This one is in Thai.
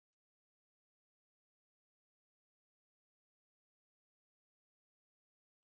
สไตล์